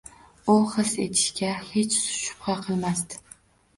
U his etishiga hech shubha qilmasdi.